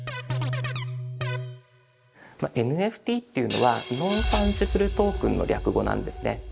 ＮＦＴっていうのは「ノンファンジブルトークン」の略語なんですね。